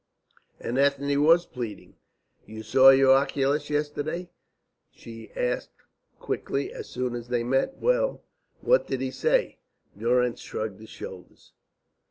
And Ethne was pleading. "You saw your oculist yesterday?" she asked quickly, as soon as they met. "Well, what did he say?" Durrance shrugged his shoulders.